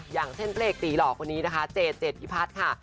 อย่างเช่นพระเอกตีหล่อคนนี้นะคะเจเจดพิพัฒน์ค่ะ